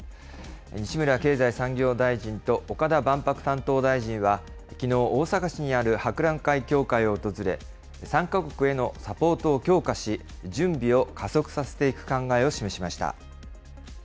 西村経済産業大臣と、岡田万博担当大臣はきのう、大阪市にある博覧会協会を訪れ、参加国へのサポートを強化し、準備を加速させていく考えを示しました。